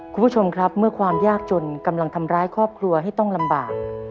คุณผู้ชมครับเมื่อความยากจนกำลังทำร้ายครอบครัวให้ต้องลำบาก